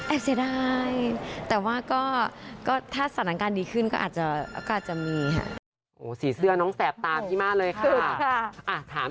เสียดายแต่ว่าก็ถ้าสถานการณ์ดีขึ้นก็อาจจะมีค่ะ